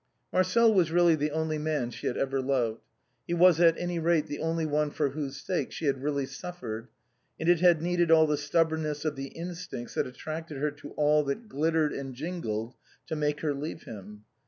Marcel was really the only man she had ever loved. He was at any rate the only one for whose sake she had really suffered, and it had needed all the stubbornness of the in stincts that attracted her to all that glittered and jingled to make her leave him.